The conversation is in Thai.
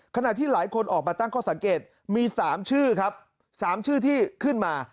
ขณะที่หลายคนออกมาตั้งข้อสังเกตมี๓ชื่อครับ๓ชื่อที่ขึ้นมา